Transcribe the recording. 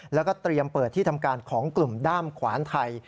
แล้วก็เตรียมเปิดที่ทำการของกลุ่มด้ามขวานไทย